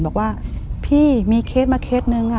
บอกว่าพี่มีเคสมาเคสนึง